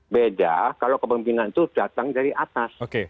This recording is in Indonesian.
beda kalau kepemimpinan itu datang dari atas